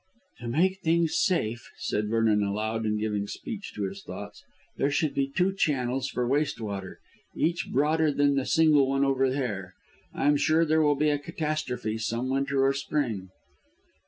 "To make things safe," said Vernon aloud and giving speech to his thoughts, "there should be two channels for waste water, each broader than the single one over there. I'm sure there will be a catastrophe some winter or spring."